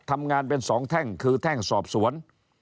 ทำงานเป็นสองแท่งคือแท่งสอบสวน